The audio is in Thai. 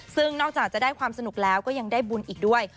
ซึ่งนอกจากจะได้ความสนุกแล้วก็ยังได้บุญอีกด้วย